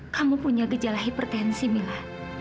kamu punya gejala hipertensi mila